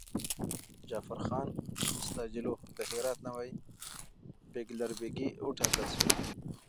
جعفرخان استاجلو د هرات نوی بیګلربيګي وټاکل شو.